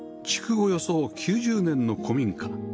およそ９０年の古民家